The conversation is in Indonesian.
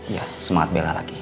ya semangat bella lagi